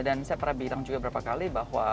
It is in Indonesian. dan saya pernah bilang juga beberapa kali bahwa